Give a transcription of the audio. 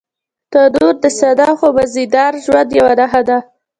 تنور د ساده خو مزيدار ژوند یوه نښه ده